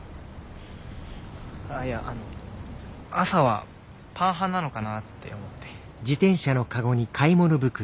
ああいやあの朝はパン派なのかなって思って。